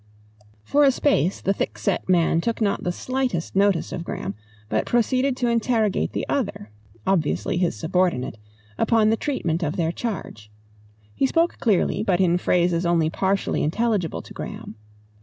For a space the thickset man took not the slightest notice of Graham, but proceeded to interrogate the other obviously his subordinate upon the treatment of their charge. He spoke clearly, but in phrases only partially intelligible to Graham.